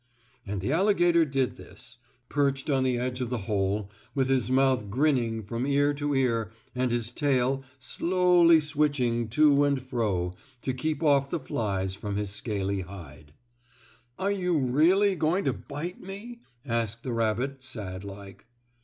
And the alligator did this, perched on the edge of the hole, with his mouth grinning from ear to ear and his tail slowly switching to and fro, to keep off the flies from his scaly hide. "Are you really going to bite me?" asked the rabbit, sad like.